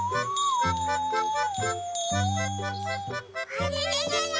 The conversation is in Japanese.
あれれれれ？